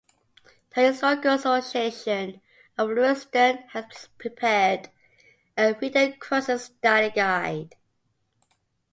The Historical Association of Lewiston has prepared a "Freedom Crossing Study Guide".